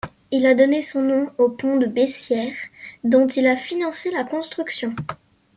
Il a donné son nom au pont Bessières, dont il a financé la construction.